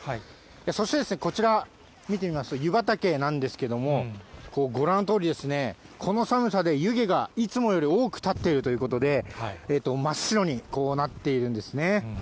そしてこちら、見てみますと、湯畑なんですけれども、ご覧のとおり、この寒さで湯気がいつもより多くたっているということで、真っ白になっているんですね。